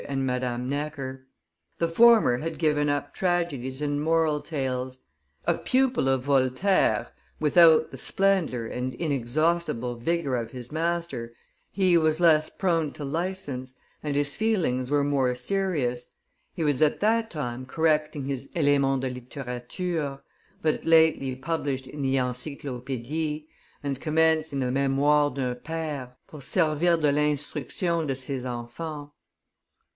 and Madame Necker; the former had given up tragedies and moral tales; a pupil of Voltaire, without the splendor and inexhaustible vigor of his master, he was less prone to license, and his feelings were more serious; he was at that time correcting his Elements de Litterature, but lately published in the Encyclopaedie, and commencing the Memoires d'un pere, pour servir d l'instruction de ses enfants.